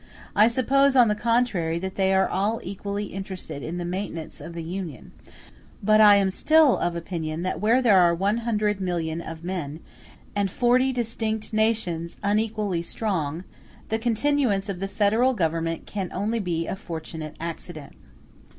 I suppose, on the contrary, that they are all equally interested in the maintenance of the Union; but I am still of opinion that where there are 100,000,000 of men, and forty distinct nations, unequally strong, the continuance of the Federal Government can only be a fortunate accident.